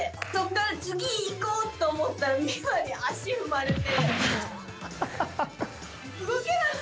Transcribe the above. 次いこうと思ったら美誠に足踏まれて。